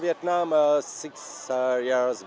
việt nam rất tốt